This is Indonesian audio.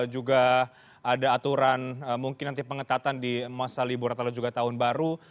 juga ada aturan mungkin nanti pengetatan di masa liburatelah juga tahun baru